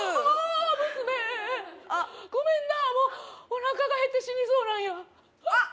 あ娘ごめんなもうおなかが減って死にそうなんやあっ